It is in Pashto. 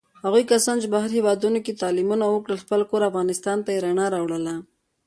هغو کسانو چې بهر هېوادونوکې تعلیمونه وکړل، خپل کور افغانستان ته یې رڼا راوړله.